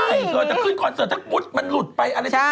ก็ใส่เถอะจะขึ้นคอนเสิร์ตถ้ากุ๊ดมันหลุดไป